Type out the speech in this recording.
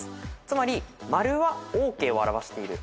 つまり○はＯＫを表している。